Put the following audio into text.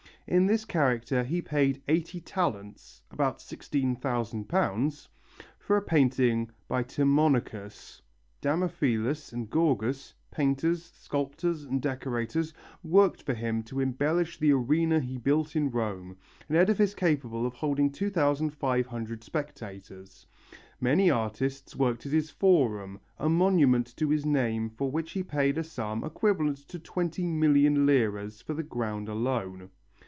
In this character he paid 80 talents (about £16,000) for a painting by Timonacus. Damophilus and Gorgas, painters, sculptors and decorators, worked for him to embellish the Arena he built in Rome, an edifice capable of holding 2500 spectators. Many artists worked at his Forum, a monument to his name for which he paid a sum equivalent to twenty million liras for the ground alone.